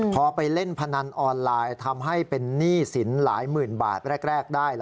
พอไปเล่นพนันออนไลน์ทำให้เป็นหนี้สินหลายหมื่นบาทแรกได้